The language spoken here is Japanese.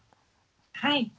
はい。